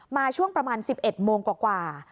ช่วงประมาณ๑๑โมงกว่า